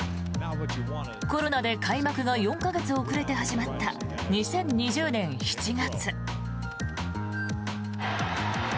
コロナで開幕が４か月遅れて始まった２０２０年７月。